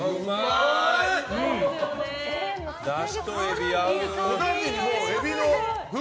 だしとエビが合う！